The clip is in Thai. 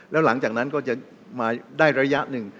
แล้วหลังจากนั้นก็จะมาได้ระยะหนึ่ง